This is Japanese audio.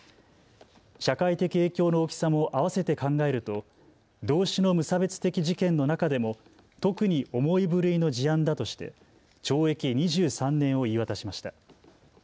社会的影響の大きさもあわせて考えると同種の無差別的事件の中でも特に重い部類の事案だとして懲役２３年を言い渡しました。